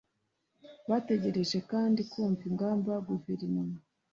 Bategereje kandi kumva ingamba guverinoma